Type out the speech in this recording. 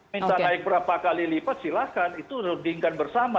minta naik berapa kali lipat silahkan itu rudingkan bersama